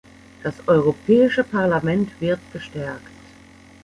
Das Europäische Parlament wird gestärkt.